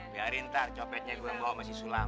biarin ntar copetnya gue yang bawa masih sulam